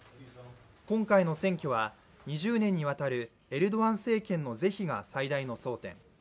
今回の選挙は２０年にわたるエルドアン政権の是非が最大の争点。